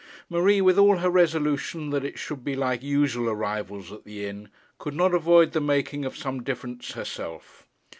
Marie, with all her resolution that it should be like usual arrivals at the inn, could not avoid the making of some difference herself.